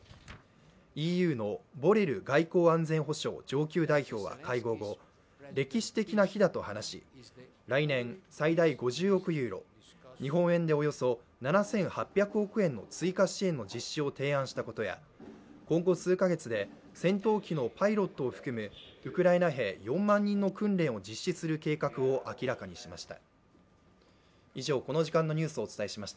ＥＵのボレル外交・安全保障上級代表は会合後、歴史的な日だと話し、来年最大５０億ユーロ、日本円でおよそ７８００億円の追加支援の実施を提案したことや今後数か月で戦闘機のパイロットを含む、ウクライナ兵４万人の訓練を実施する計画を明らかにしました。